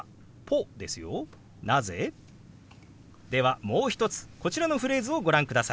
ではもう一つこちらのフレーズをご覧ください。